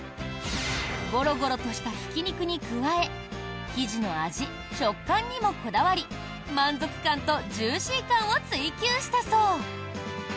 ゴロゴロとしたひき肉に加え生地の味、食感にもこだわり満足感とジューシー感を追求したそう。